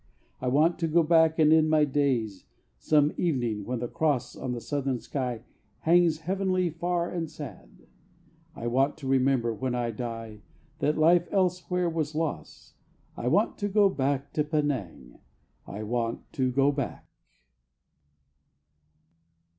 I want to go back and end my days Some evening when the Cross On the southern sky hangs heavily far and sad. I want to remember when I die That life elsewhere was loss. I want to go back to Penang! I want to go back!